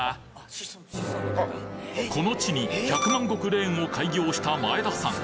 この地に百万石レーンを開業した前田さん